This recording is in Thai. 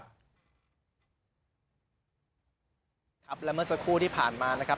ครับและเมื่อสักครู่ที่ผ่านมานะครับ